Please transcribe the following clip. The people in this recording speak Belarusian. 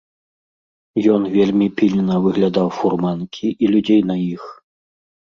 Ён вельмі пільна выглядаў фурманкі і людзей на іх.